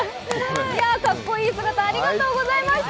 かっこいい姿、ありがとうございました。